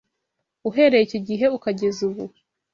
uhereye icyo gihe ukageza ubu